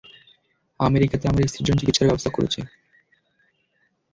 আমেরিকাতে আমার স্ত্রীর জন্য চিকিৎসার ব্যবস্থা করেছে।